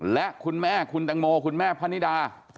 และคุณแม่คุณตังโมคุณแม่พะนิดา